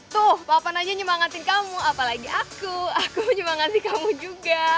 tuh papa nanya nyemangatin kamu apalagi aku aku menyemangati kamu juga